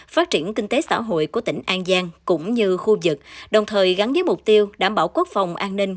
phát triển kinh tế xã hội của tỉnh an giang cũng như khu vực đồng thời gắn với mục tiêu đảm bảo quốc phòng an ninh